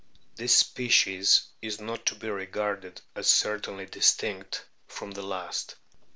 This species is not to be regarded as certainly distinct from the last.